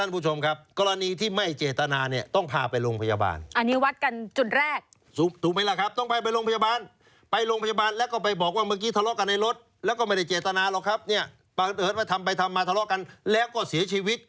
ประเทศว่าทำไปทำมาทะเลาะกันแล้วก็เสียชีวิต